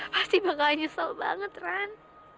pasti bakal nyesel banget ran